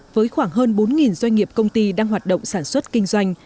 với khoảng hơn bốn doanh nghiệp công ty đang hoạt động sản xuất kinh doanh